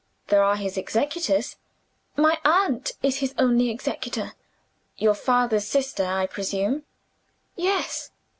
"There are his executors." "My aunt is his only executor." "Your father's sister I presume?" "Yes."